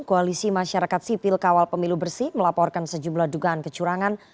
koalisi masyarakat sipil kawal pemilu bersih melaporkan sejumlah dugaan kecurangan